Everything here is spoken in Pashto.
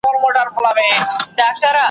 د طلا او جواهرو له شامته ,